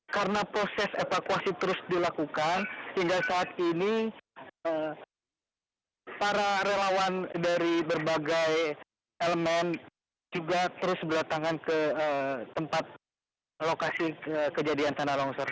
karena proses evakuasi terus dilakukan hingga saat ini para relawan dari berbagai elemen juga terus berlatangan ke tempat lokasi kejadian tanah longsor